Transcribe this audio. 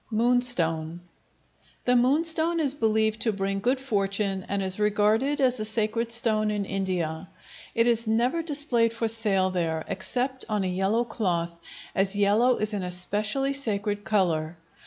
Moonstone The moonstone is believed to bring good fortune and is regarded as a sacred stone in India. It is never displayed for sale there, except on a yellow cloth, as yellow is an especially sacred color.